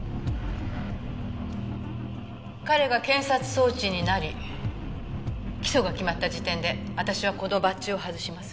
彼が検察送致になり起訴が決まった時点で私はこのバッジを外します。